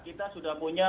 kita sudah punya